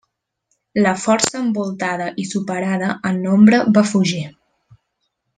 La força envoltada i superada en nombre va fugir.